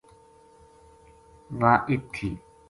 وہ ات تھی۔